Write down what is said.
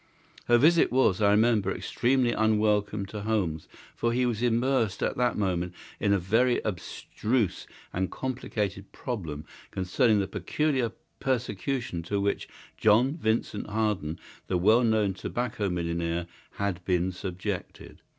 Her visit was, I remember, extremely unwelcome to Holmes, for he was immersed at the moment in a very abstruse and complicated problem concerning the peculiar persecution to which John Vincent Harden, the well known tobacco millionaire, had been subjected.